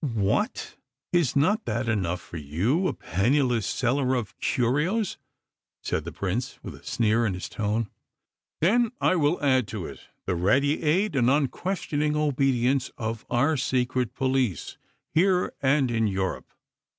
"What! Is not that enough for you, a penniless seller of curios?" said the Prince, with a sneer in his tone. "Then I will add to it the ready aid and unquestioning obedience of our secret police, here and in Europe.